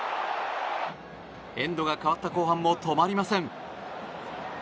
エンドがかわった後半も止まりません。